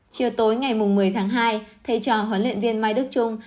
chiều tối ngày một mươi tháng hai thầy trò huấn luyện viên mai đức trung